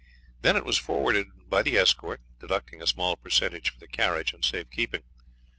Then it was forwarded by the escort, deducting a small percentage for the carriage and safe keeping.